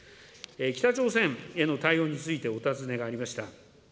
北朝鮮への対応についてお尋ねがありました。